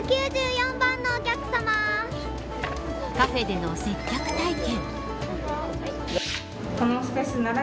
カフェでの接客体験。